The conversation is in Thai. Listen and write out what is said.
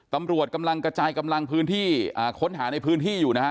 ตำรวจกำลังกระจายกำลังพื้นที่ค้นหาในพื้นที่อยู่นะฮะ